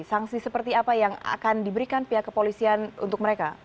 sanksi seperti apa yang akan diberikan pihak kepolisian untuk mereka